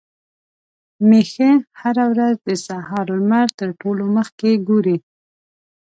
ميښه هره ورځ د سهار لمر تر ټولو مخکې ګوري.